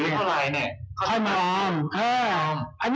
เงินความรายได้คือเงินได้ที่ได้ออกมาไปใช้นอน